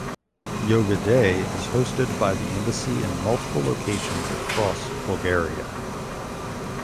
Yoga Day is hosted by the embassy in multiple locations across Bulgaria.